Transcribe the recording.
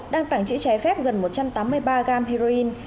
đang tàng trữ trái phép gần một trăm tám mươi ba gam heroin